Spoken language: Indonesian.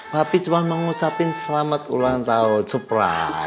papi cuma mau ngucapin selamat ulang tahun supra